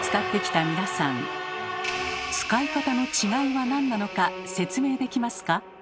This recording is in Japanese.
使い方の違いは何なのか説明できますか？